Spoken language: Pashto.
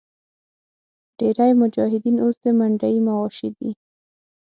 ډېری مجاهدین اوس د منډیي مواشي دي.